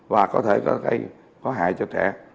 và có thể có hại cho trẻ